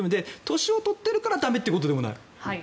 年を取っているから駄目ということでもない。